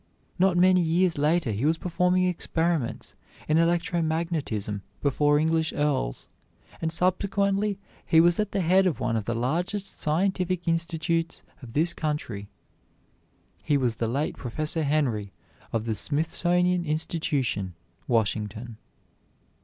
Not many years later he was performing experiments in electro magnetism before English earls, and subsequently he was at the head of one of the largest scientific institutes of this country. He was the late Professor Henry, of the Smithsonian Institution, Washington.